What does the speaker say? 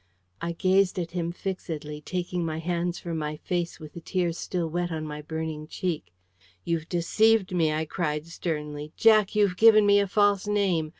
I gazed at him fixedly, taking my hands from my face, with the tears still wet on my burning cheek. "You've deceived me!" I cried sternly. "Jack, you've given me a false name.